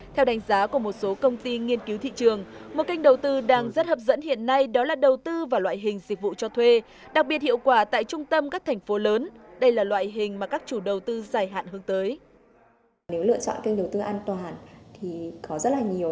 theo đánh giá của một số công ty nghiên cứu thị trường một kênh đầu tư đang rất hấp dẫn hiện nay đó là đầu tư vào loại hình dịch vụ cho thuê đặc biệt hiệu quả tại trung tâm các thành phố lớn đây là loại hình mà các chủ đầu tư dài hạn hướng tới